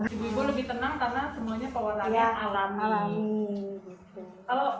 ibu ibu lebih tenang karena semuanya pewarnaannya alami